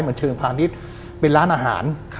เชิงพาณิชย์เป็นร้านอาหาร